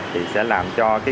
thì sẽ làm cho cái